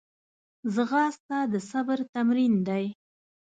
ځغاسته د صبر تمرین دی